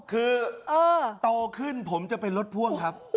คือโตขึ้นผมจะเป็นรถพ่วงครับ